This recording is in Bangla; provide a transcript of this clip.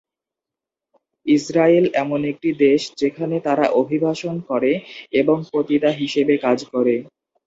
ইসরায়েল এমন একটি দেশ যেখানে তারা অভিবাসন করে এবং পতিতা হিসেবে কাজ করে।